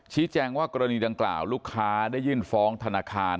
แจ้งว่ากรณีดังกล่าวลูกค้าได้ยื่นฟ้องธนาคาร